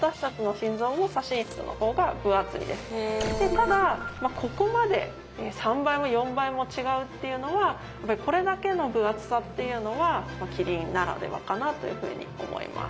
ただここまで３倍も４倍も違うっていうのはこれだけの分厚さっていうのはキリンならではかなというふうに思います。